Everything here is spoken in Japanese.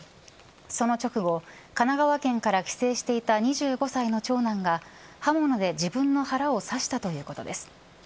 その直後、神奈川県から帰省していた２５歳の長男が刃物で自分の腹を刺したということです。